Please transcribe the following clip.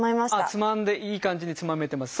つまんでいい感じにつまめてます。